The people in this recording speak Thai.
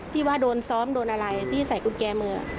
ที่ว่าโดนซ้อมโดนอะไรที่ใส่กุญแจมือ